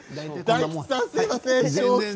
大吉さん、すみません。